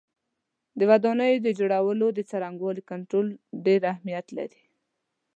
د ودانیو د جوړولو د څرنګوالي کنټرول ډېر اهمیت لري.